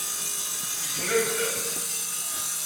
Gnemt!